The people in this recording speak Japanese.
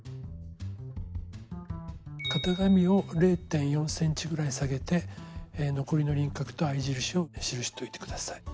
型紙を０．４ｃｍぐらい下げて残りの輪郭と合い印をしるしといて下さい。